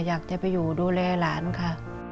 อยากจะไปอยู่ดูแลหลานค่ะ